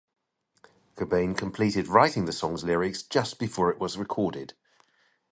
Cobain completed writing the song's lyrics just before it was recorded.